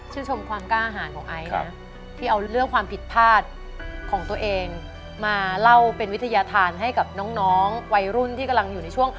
ชื่นชมความกล้าอาหารของไอที่เอาเรื่องความผิดพลาดของตัวเอง